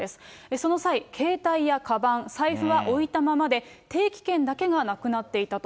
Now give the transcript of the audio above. その際、携帯やかばん、財布は置いたままで、定期券だけがなくなっていたと。